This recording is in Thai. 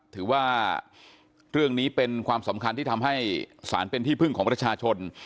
ถือว่าเรื่องนี้เป็นความสำคัญที่ทำให้สารเป็นที่พึ่งของประชาชน